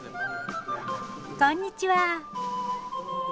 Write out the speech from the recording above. こんにちは。